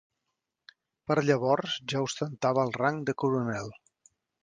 Per llavors ja ostentava el rang de coronel.